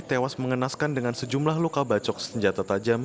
tewas mengenaskan dengan sejumlah luka bacok senjata tajam